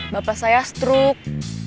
bapak saya struk